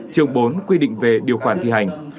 chương bốn quy định về điều khoản thi hành